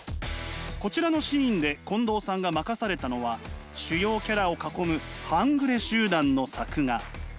こちらのシーンで近藤さんが任されたのは主要キャラを囲む半グレ集団の作画。